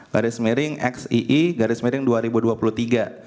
garis miring ri garis miring garis miring xii garis miring dua ribu dua puluh tiga